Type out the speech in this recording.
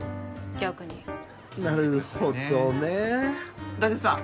逆になるほどね大鉄さん